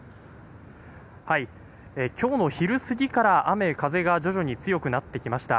今日の昼過ぎから雨、風が徐々に強くなってきました。